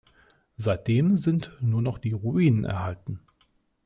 Seitdem sind nur noch die Ruinen erhalten.